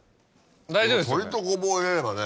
大丈夫ですよね。